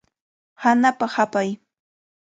Hanapa hapay.